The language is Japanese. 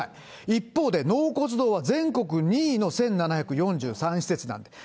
一方で納骨堂は全国２位の１７４３施設なんです。